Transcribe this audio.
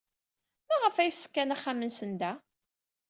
Maɣef ay ṣkan axxam-nsen da?